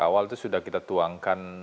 awal itu sudah kita tuangkan